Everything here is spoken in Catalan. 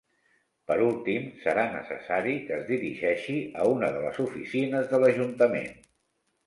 Per últim, serà necessari que es dirigeixi a una de les oficines de l'Ajuntament.